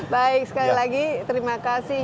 baik sekali lagi terima kasih